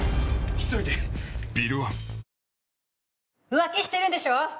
浮気してるんでしょ！